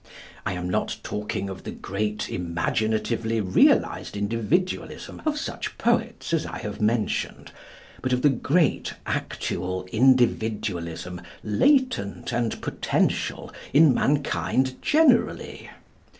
I am not talking of the great imaginatively realised Individualism of such poets as I have mentioned, but of the great actual Individualism latent and potential in mankind generally.